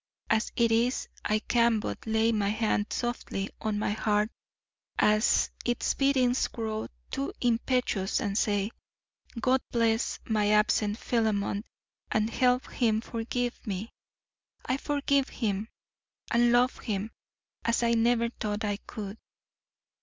As it is I can but lay my hand softly on my heart as its beatings grow too impetuous and say, "God bless my absent Philemon and help him to forgive me! I forgive him and love him as I never thought I could."